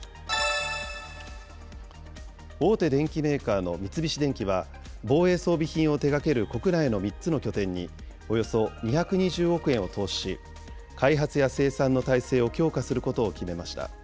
大手電機メーカーの三菱電機は、防衛装備品を手がける国内の３つの拠点に、およそ２２０億円を投資し、開発や生産の体制を強化することを決めました。